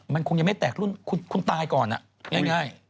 มันคงยังไม่แตกรุ่นคุณตายก่อนง่าย